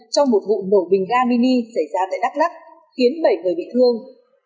trong một vụ nổ bình ga mini xảy ra tại đắk lắc khiến bảy người bị thương